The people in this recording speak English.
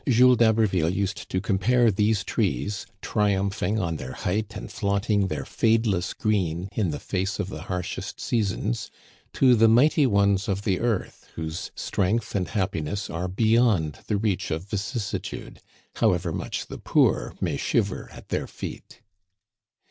Jules d'Haberville used to compare these trees, triumphing on their height and flaunting their fadeless green in the face of the harshest seasons, to the mighty ones of the earth whose strength and happiness are beyond the reach of vicissitude, how ever much the poor may shiver at their feet.